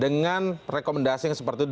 dengan rekomendasi yang seperti itu